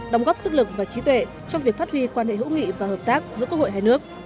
đóng góp sức lực và trí tuệ trong việc phát huy quan hệ hữu nghị và hợp tác giữa quốc hội hai nước